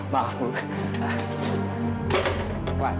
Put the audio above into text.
aku mau campus gue ke tempatnya